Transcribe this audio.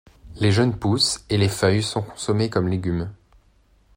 Les jeunes pousses et les feuilles sont consommées comme légumes.